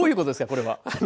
これは。